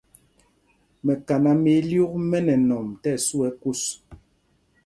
Mɛkaná mɛ ílyûk mɛ nɛ nɔm tí ɛsu kús.